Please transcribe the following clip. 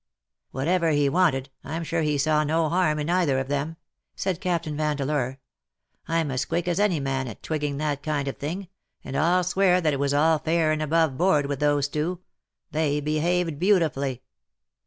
^^" Whatever he wafited, Fm sure he saw no harm in either of them,^^ said Captain Vandeleur. " Fm as quick as any man at twigging that kind of thing, and 1^11 swear that it was all fair and above board with those two ; they behaved beautifully."